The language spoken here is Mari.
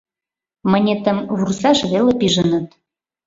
Мынетым вурсаш веле пижыныт.